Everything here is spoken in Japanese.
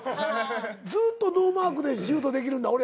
ずっとノーマークでシュートできるんだ俺やったら。